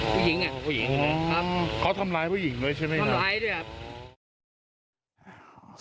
ผู้หญิงอ่ะผู้หญิงครับเขาทำร้ายผู้หญิงด้วยใช่ไหมครับทำร้ายด้วยครับ